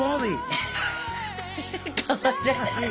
かわいらしい。